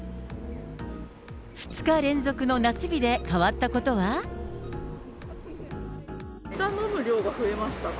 ２日連続の夏日で変わったことは？お茶飲む量が増えましたかね。